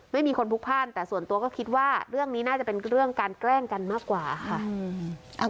ไม่มีคนพลุกพ่านแต่ส่วนตัวก็คิดว่าเรื่องนี้น่าจะเป็นเรื่องการแกล้งกันมากกว่าค่ะ